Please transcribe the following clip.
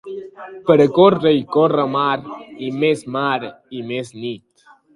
Per a córrer i córrer mar i més mar i més nit.